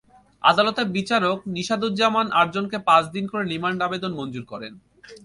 আদালতের বিচারক নিশাদুজ্জামান আটজনকে পাঁচ দিন করে রিমান্ড আবেদন মঞ্জুর করেন।